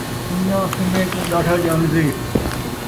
سن٘ڄاں سن٘ڄے کوں ݙاڈھا ڄاݨدے